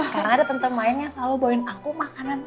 karena ada tante mainnya selalu bawain aku makanan aja ya tante